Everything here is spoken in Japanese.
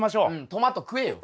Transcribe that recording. トマト食えよ。